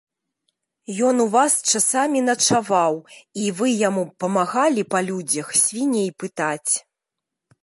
Ён у вас часамі начаваў і вы яму памагалі па людзях свіней пытаць.